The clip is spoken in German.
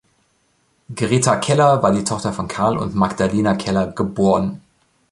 Greta Keller war die Tochter von Karl und Magdalena Keller, geb.